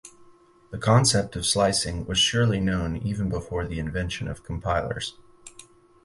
The concept of slicing was surely known even before the invention of compilers.